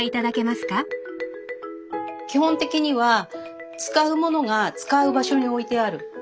基本的には使うものが使う場所に置いてある。